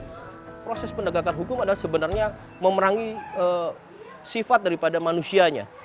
jadi proses penegakan hukum adalah sebenarnya memerangi sifat daripada manusianya